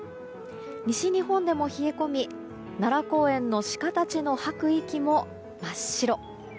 西日本でも冷え込み、奈良公園のシカたちの吐く息も真っ白。